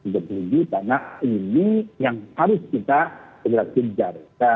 karena ini yang harus kita berhasil jarak